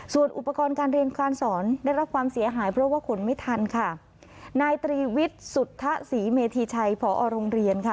ส่วนอุปกรณ์การเรียนการสอนได้รับความเสียหายเพราะว่าขนไม่ทันค่ะนายตรีวิทย์สุทธศรีเมธีชัยผอโรงเรียนค่ะ